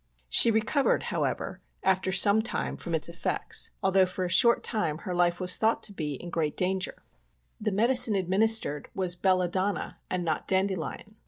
She recovered, however, after some time, from its e^ects^ although for a short time her life was thought to be in great danger. The medicine administered was belladonna and not dandelion.